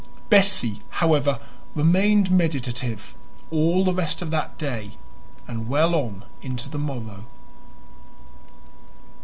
Bessie, however, remained meditative all the rest of that day and well on into the morrow.